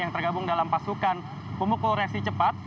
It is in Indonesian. yang tergabung dalam pasukan pemukul reaksi cepat